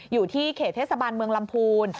อยู่ที่เขตเทศบาลเมืองลำพูน